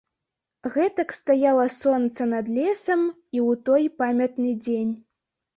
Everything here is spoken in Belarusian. Гэтак стаяла сонца над лесам і ў той памятны дзень.